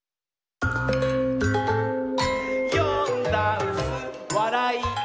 「よんだんす」「わらい」！